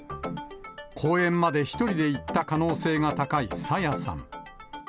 公園まで１人で行った可能性が高い朝芽さん。